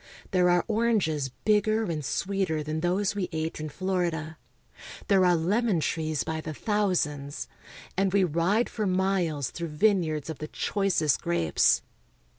There are oranges bigger and sweeter than those we ate in Florida. There are lemon trees by the thousands, and we ride for miles through vine yards of the choicest grapes.